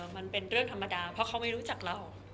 มันเป็นเรื่องธรรมดาเพราะเขาไม่รู้จักเรา